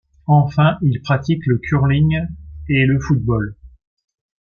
Enfin, il pratique le curling et le football.